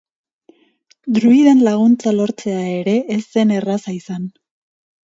Druiden laguntza lortzea ere ez zen erraza izan.